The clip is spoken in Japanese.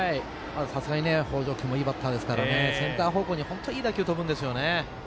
北條君もいいバッターですからセンター方向にいい打球が飛ぶんですよね。